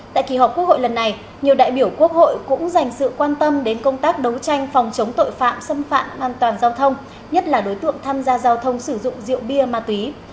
tại kỳ họp quốc hội lần này nhiều đại biểu quốc hội cũng dành sự quan tâm đến công tác đấu tranh phòng chống tội phạm xâm phạm an toàn giao thông nhất là đối tượng tham gia giao thông sử dụng rượu bia ma túy